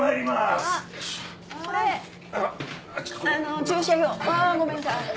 ああごめんなさい。